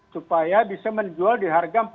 supaya bisa menjual di harga rp empat belas